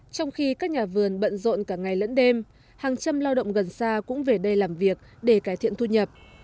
trong khi các nhà vườn bận rộn cả ngày lẫn đêm hàng trăm lao động gần xa cũng về đây làm việc để cải thiện thu nhập